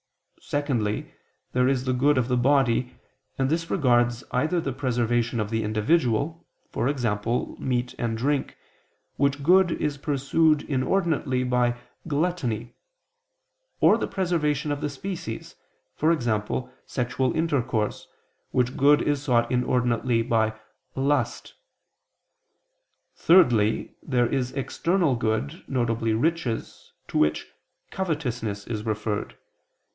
_ Secondly, there is the good of the body, and this regards either the preservation of the individual, e.g. meat and drink, which good is pursued inordinately by gluttony, or the preservation of the species, e.g. sexual intercourse, which good is sought inordinately by lust. Thirdly, there is external good, viz. riches, to which covetousness is referred.